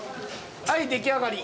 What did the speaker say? はい出来上がり。